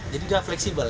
jadi dia fleksibel